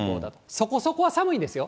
そこそこは寒いんですよ。